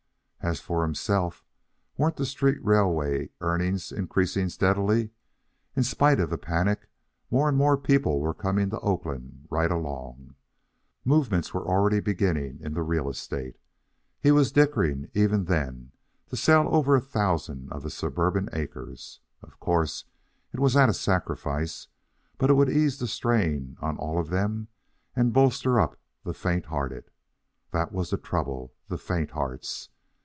As for himself, weren't the street railway earnings increasing steadily? In spite of the panic, more and more people were coming to Oakland right along. Movements were already beginning in real estate. He was dickering even then to sell over a thousand of his suburban acres. Of course it was at a sacrifice, but it would ease the strain on all of them and bolster up the faint hearted. That was the trouble the faint hearts.